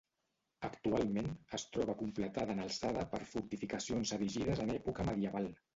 Actualment, es troba completada en alçada per fortificacions erigides en època medieval.